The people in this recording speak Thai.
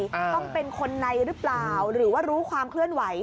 ต้องเป็นคนในหรือเปล่าหรือว่ารู้ความเคลื่อนไหว